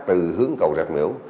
từ hướng cầu rạch miểu